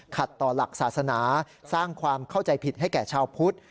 ต่อหลักศาสนาสร้างความเข้าใจผิดให้แก่ชาวพุทธ